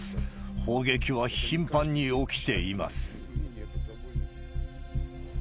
砲撃は頻繁に起きています。